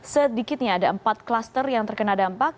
sedikitnya ada empat klaster yang terkena dampak